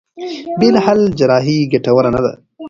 بې له حل جراحي ګټوره نه ده.